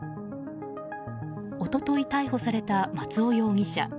一昨日、逮捕された松尾容疑者。